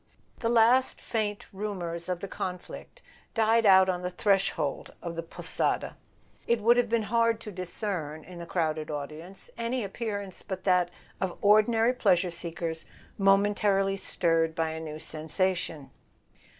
The last faint rumours of the conflict died out on the threshold of the "Posada." It would have been hard to discern, in the crowded audience, any appear¬ ance but that of ordinary pleasure seekers momentarily stirred by a new sensation.